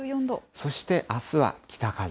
そしてあすは北風。